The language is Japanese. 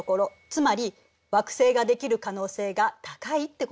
つまり惑星ができる可能性が高いってことね。